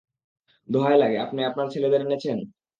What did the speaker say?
দোহায় লাগে, আপনি আপনার ছেলেদের এনেছেন?